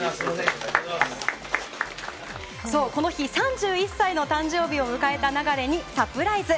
この日３１歳の誕生日を迎えた流にサプライズ。